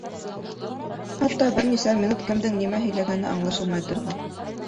Хатта бер нисә минут кемдең нимә һөйләгәне аңлашылмай торҙо.